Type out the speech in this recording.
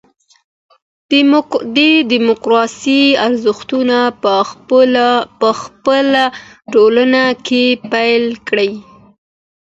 د ډيموکراسۍ ارزښتونه په خپله ټولنه کي پلي کړئ.